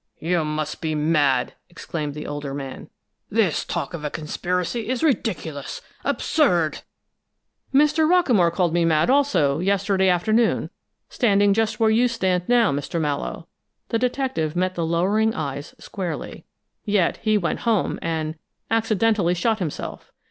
"You must be mad!" exclaimed the older man. "This talk of a conspiracy is ridiculous, absurd!" "Mr. Rockamore called me 'mad,' also, yesterday afternoon, standing just where you stand now, Mr. Mallowe." The detective met the lowering eyes squarely. "Yet he went home and accidentally shot himself!